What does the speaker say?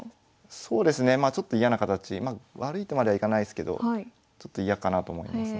そうですねまあちょっと嫌な形。悪いとまではいかないですけどちょっと嫌かなと思いますので。